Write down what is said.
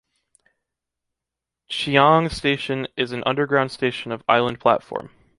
Qiange station is an underground station of island platform.